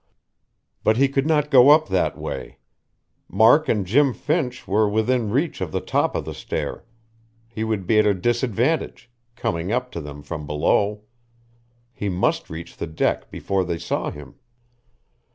But he could not go up that way. Mark and Jim Finch were within reach of the top of the stair; he would be at a disadvantage, coming up to them from below. He must reach the deck before they saw him.